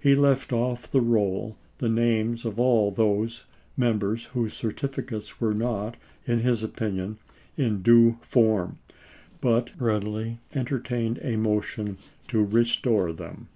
He left off the roll the names of all those Members whose certificates were not, in his opin ion, in due form, but readily entertained a motion to restore them.